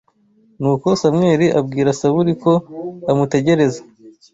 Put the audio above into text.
Nuko Samweli abwira Sawuli ko amutegereza